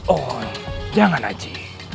oh jangan aji